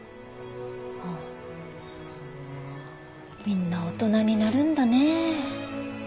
みんな大人になるんだね。